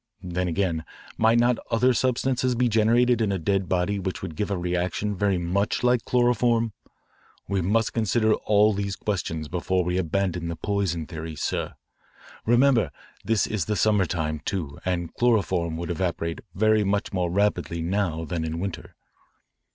Then again, might not other substances be generated in a dead body which would give a reaction very much like chloroform? We must consider all these questions before we abandon the poison theory, sir. Remember, this is the summer time too, and chloroform would evaporate very much more rapidly now than in winter.